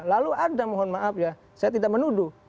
lalu ada mohon maaf ya saya tidak menuduh